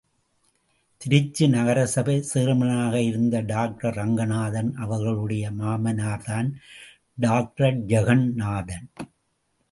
திருச்சி நகரசபை சேர்மனாக இருந்த டாக்டர் ரங்கநாதன் அவர்களுடைய மாமனார்தான் டாக்டர் ஜகந்நாதன்.